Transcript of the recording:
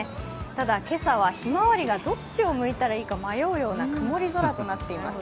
ただ、今朝はひまわりがどっちを向いたらいいか迷うような曇り空となっています。